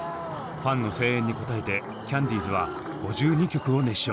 ファンの声援に応えてキャンディーズは５２曲を熱唱。